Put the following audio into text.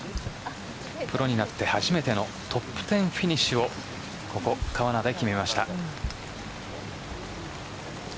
プロになって初めてのトップ１０フィニッシュをここ川奈で決めました。